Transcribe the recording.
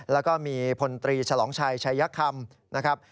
แล้วก็มีพลตรีฉลองชัยชัยคำนะครับ